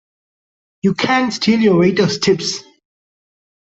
You can't steal your waiters' tips!